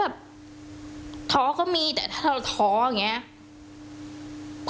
เราได้มีการปรึกษาใครหรือนอกจากพ่อ